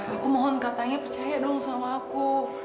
aku mohon katanya percaya dong sama aku